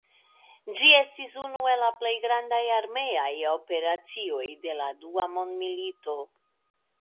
Ĝi estis unu el la plej grandaj armeaj operacoj de la Dua mondmilito.